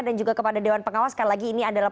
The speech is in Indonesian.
dan juga kepada dewan pengawas karena lagi ini adalah